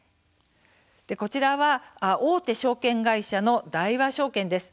大手証券会社の大和証券です。